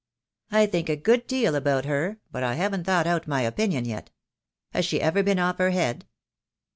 "I think a good deal about her, but I haven't thought out my opinion yet. Has she ever been off her head?"